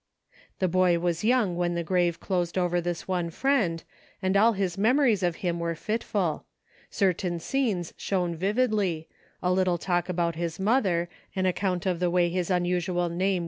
The boy was young when the grave closed over this one friend, and all his memories of him were fitful ; certain scenes shone vividly ; a little talk about his mother, an account of the way his unusual name.